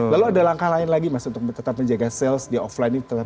lalu ada langkah lain lagi mas untuk tetap menjaga sales di offline ini tetap